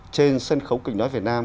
trên sân khấu kịch nói việt nam